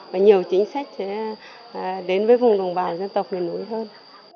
và nhiều chính sách sẽ đến với vùng đồng bào dân tộc miền núi hơn